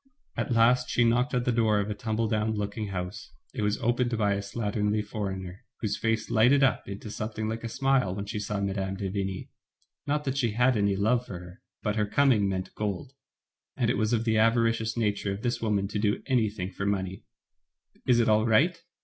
At last she knocked at the door of a tumble down looking house. It was opened by a slat ternly foreigner, whose face lighted up into something like a smile when she saw Mme. de Vigny. Not that she had any love for her, but her coming meant gold, and it was of the avari cious nature of this woman to do anything for money. Is it all right?